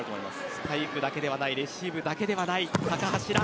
スパイクだけではないレシーブだけではない高橋藍。